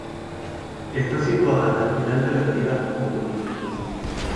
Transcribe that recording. Está situada al final de la avenida homónima.